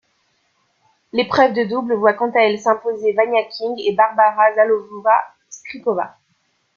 L'épreuve de double voit quant à elle s'imposer Vania King et Barbora Záhlavová Strýcová.